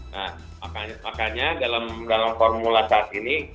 nah makanya dalam formula saat ini